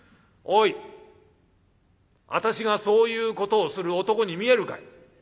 おい私がそういうことをする男に見えるかい？